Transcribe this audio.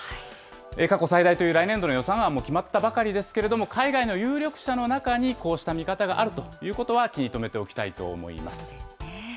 過去最大という来年度の予算案も決まったばかりですけれども、海外の有力者の中に、こうした見方があるということは気に留めておそうですね。